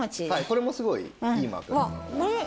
これもすごいいい枕なので。